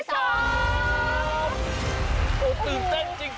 ตื่นเต้นจริง